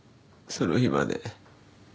その日まで。